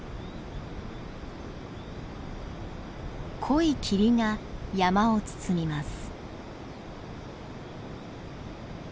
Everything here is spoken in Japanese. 濃い霧が山を包みます。